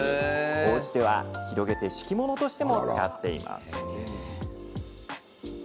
おうちでは、広げて敷物としても使っています。